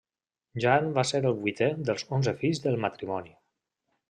Jan va ser el vuitè dels onze fills del matrimoni.